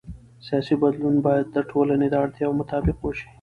سیاسي بدلون باید د ټولنې د اړتیاوو مطابق وشي